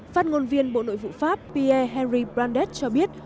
phát ngôn viên bộ nội vụ pháp pierre henri brandes cho biết